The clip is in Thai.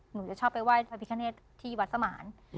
หนูจะชอบไปไหว้พระพิคเนตที่วัดสมาน